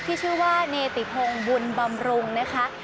ที่ชื่อว่าเนติพงบุญบำรุงนะคะ